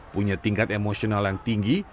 punya tingkat emosional yang tinggi